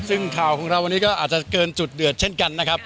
ซึ่งข่าวของเราวันนี้ก็อาจจะเกินจุดเดือดเช่นกันนะครับ